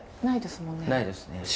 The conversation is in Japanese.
ないですね。